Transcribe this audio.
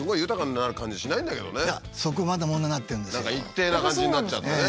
何か一定な感じになっちゃってね。